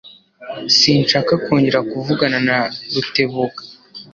Sinshaka kongera kuvugana na Rutebuka.